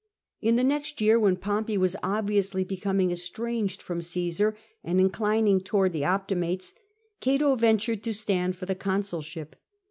In the next year, when Pompey was obviously becoming estranged from Caesar, and inclining towards the Optimates, Cato ventured to stand for the consulship.